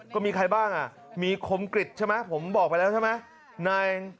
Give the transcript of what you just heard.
ก็มีใครบ้างอ่ะมีคมกริจใช่ไหมผมบอกไปแล้วใช่ไหม